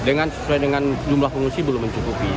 dengan sesuai dengan jumlah pengungsi belum mencukupi